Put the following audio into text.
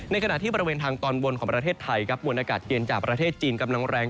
ขณะที่บริเวณทางตอนบนของประเทศไทยครับมวลอากาศเย็นจากประเทศจีนกำลังแรง